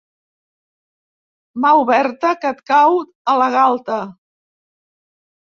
Mà oberta que et cau a la galta.